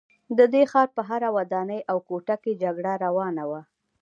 د دې ښار په هره ودانۍ او کوټه کې جګړه روانه وه